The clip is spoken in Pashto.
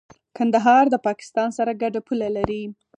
کندهار د پاکستان سره ګډه پوله لري.